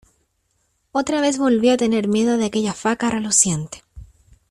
otra vez volví a tener miedo de aquella faca reluciente.